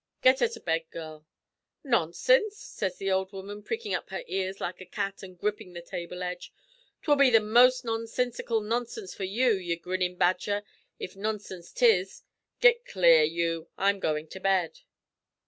Get her to bed, girl.' "'Nonsinse?' sez the ould woman, prickin' up her ears like a cat, an' grippin' the table edge. ''Twill be the most nonsinsical nonsinse for you, ye grinnin' badger, if nonsinse 'tis. Git clear, you. I'm goin' to bed.'